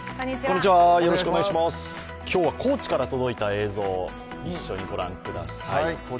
今日は高知から届いた映像、一緒にご覧ください。